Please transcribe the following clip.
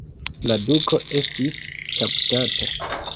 La duko estis kaptata.